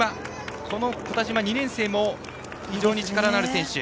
この古田島、２年生も非常に力のある選手。